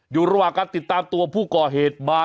อยู่ระหว่างการติดตามตัวผู้ก่อเหตุมา